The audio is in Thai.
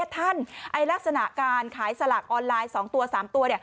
ท่านลักษณะการขายสลากออนไลน์๒ตัว๓ตัว